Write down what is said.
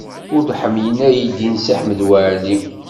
Ur ḥemmlen aydi n Si Ḥmed Waɛli.